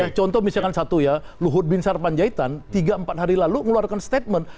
ya contoh misalkan satu ya luhut bin sarpanjaitan tiga empat hari lalu mengeluarkan statement